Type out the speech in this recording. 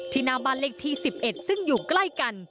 ที่นั่นบ้านเล็กที่๑๑ซึ่งอยู่ใกล้กัน